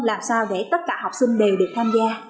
làm sao để tất cả học sinh đều được tham gia